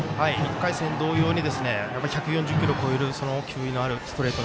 １回戦、同様に１４０キロを超える球威のあるストレート